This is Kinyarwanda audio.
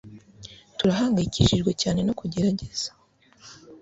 Turahangayikishijwe cyane no kugerageza